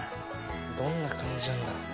どんな感じなんだ。